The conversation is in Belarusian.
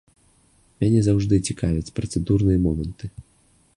Мяне заўжды цікавяць працэдурныя моманты.